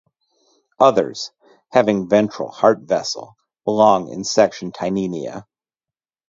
Others, having a ventral heart vessel, belong in section Tineina.